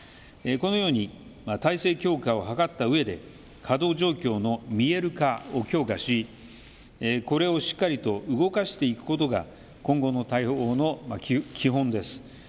このように体制強化を図ったうえで稼働状況の見える化を強化しこれをしっかりと動かしていくことが今後の対応の基本です。